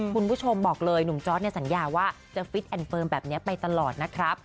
คุณผู้ชมบอกเลยหนุ่มจอร์ดสัญญาว่าจะฟิตแอนดเฟิร์มแบบนี้ไปตลอดนะครับ